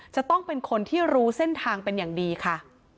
จะต้องเป็นคนที่รู้เส้นทางเป็นอย่างดีค่ะ